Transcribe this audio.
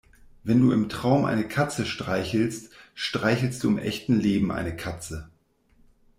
Wenn du im Traum eine Katze streichelst, streichelst du im echten Leben eine Katze.